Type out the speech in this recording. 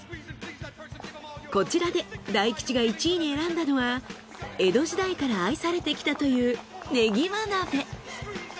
こちらで大吉が１位に選んだのは江戸時代から愛されてきたというねぎま鍋。